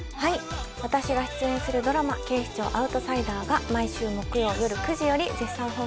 私が出演するドラマ『警視庁アウトサイダー』が毎週木曜よる９時より絶賛放送中です。